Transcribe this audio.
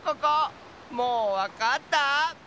もうわかった？